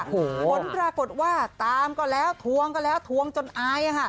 ผลปรากฏว่าตามก็แล้วทวงก็แล้วทวงจนอาย